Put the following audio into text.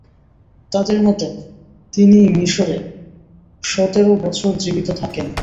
তাদের মতে, তিনি মিসরে সতের বছর জীবিত থাকেন।